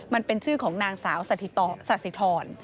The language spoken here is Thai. มันเป็นชื่อของนางสาวสาธิธร